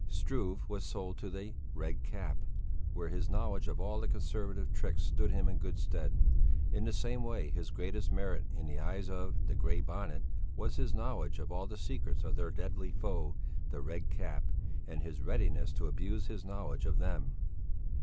Struve was sold to the Red Cap, where his knowledge of all the Conservative tricks stood him in good stead; in the same way his greatest merit in the eyes of the Grey Bonnet was his knowledge of all the secrets of their deadly foe, the Red Cap, and his readiness to abuse his knowledge of them.